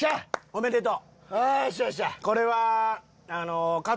おめでとう。